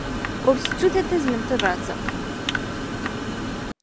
Ur ttettut ad taznem tabṛat-a.